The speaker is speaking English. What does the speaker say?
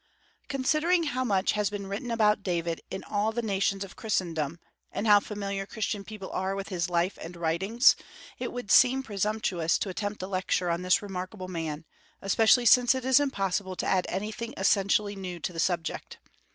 Considering how much has been written about David in all the nations of Christendom, and how familiar Christian people are with his life and writings, it would seem presumptuous to attempt a lecture on this remarkable man, especially since it is impossible to add anything essentially new to the subject.